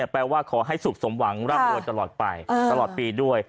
แปลว่าขอให้สุขสมหวังร่ำรวยตลอดไปตลอดปีด้วย